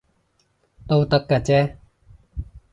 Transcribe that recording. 都得嘅啫